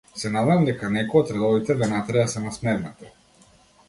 Се надевам дека некои од редовите ве натера да се насмевнете.